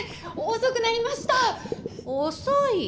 遅い。